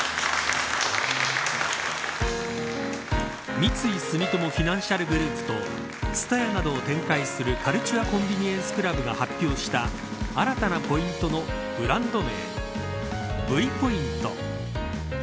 三井住友フィナンシャルグループとＴＳＵＴＡＹＡなどを展開するカルチュア・コンビニエンス・クラブが発表した新たなポイントのブランド名Ｖポイント。